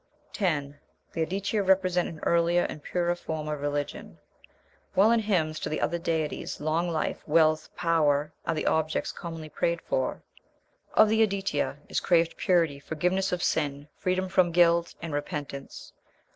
10. The Aditya represent an earlier and purer form of religion: "While in hymns to the other deities long life, wealth, power, are the objects commonly prayed for, of the Aditya is craved purity, forgiveness of sin, freedom from guilt, and repentance."